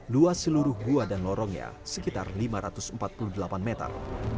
luas seluruh gua dan lorongnya sekitar lima ratus empat puluh delapan meter